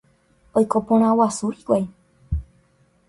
Oiko porã guasu hikuái.